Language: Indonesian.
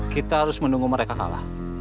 kita harus menunggu mereka kalah